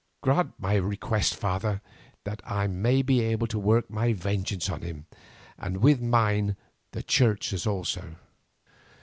Grant my request, father, that I may be able to work my vengeance on him, and with mine the Church's also."